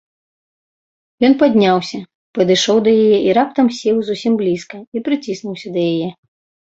Ён падняўся, падышоў да яе і раптам сеў зусім блізка і прыціснуўся да яе.